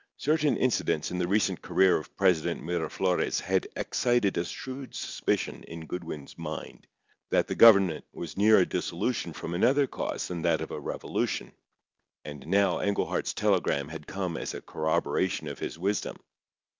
Certain incidents in the recent career of President Miraflores had excited a shrewd suspicion in Goodwin's mind that the government was near a dissolution from another cause than that of a revolution, and now Englehart's telegram had come as a corroboration of his wisdom.